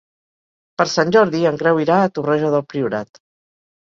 Per Sant Jordi en Grau irà a Torroja del Priorat.